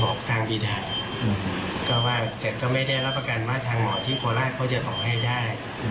ออกทางบีดาก็ว่าแต่ก็ไม่ได้รับประกันว่าทางหมอที่โคราชเขาจะต่อให้ได้